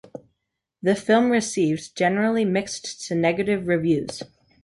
The film received generally mixed to negative reviews.